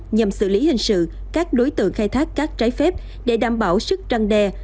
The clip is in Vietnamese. nhằm xử lý hình sự các đối tượng khai thác cát trái phép để đảm bảo sức trăng đe